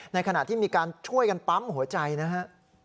ในขณะที่มีการช่วยกันปั๊มหัวใจนะฮะ